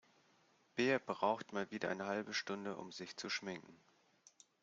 Bea braucht mal wieder eine halbe Stunde, um sich zu schminken.